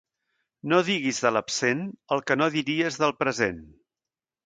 No diguis de l'absent el que no diries del present.